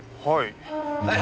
はい。